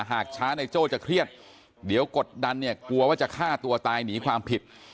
หากช้าในโจ้จะเครียดเดี๋ยวกดดันเนี่ยกลัวว่าจะฆ่าตัวตายหนีความผิด